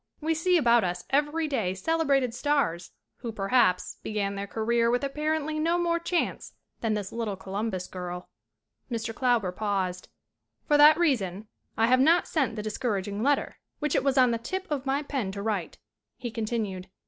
We see about us every day celebrated stars who, perhaps, began their career with apparently no more chance than this little Columbus girl." Mr. Klauber paused. "For that reason I have not sent the dis couraging letter which it was on the tip of my pen to write," he continued.